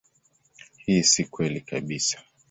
Hii si kweli kabisa.